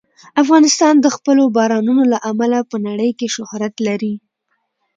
افغانستان د خپلو بارانونو له امله په نړۍ کې شهرت لري.